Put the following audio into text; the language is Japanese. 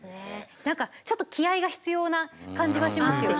何かちょっと気合いが必要な感じはしますよね。